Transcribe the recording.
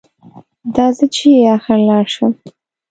دا زه چېرې اخر لاړ شم؟